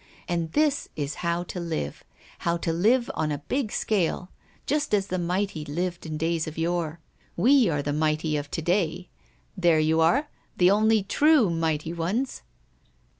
And this is how to live, how to live on a big scale, just as the mighty lived in days of yore. We are the mighty of to day there you are the only true mighty ones!